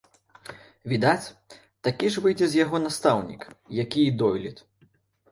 Відаць, такі ж выйдзе з яго настаўнік, які і дойлід.